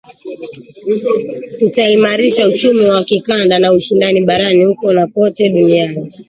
kutaimarisha uchumi wa kikanda na ushindani barani huko na kote duniani